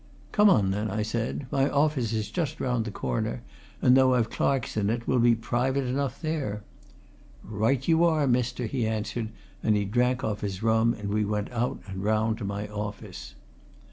"Come on then," I said. "My office is just round the corner, and though I've clerks in it, we'll be private enough there." "Right you are, mister," he answered, and he drank off his rum and we went out and round to my office.